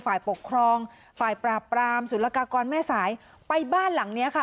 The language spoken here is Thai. ฝ่ายปกครองฝ่ายปราบปรามศุลกากรแม่สายไปบ้านหลังเนี้ยค่ะ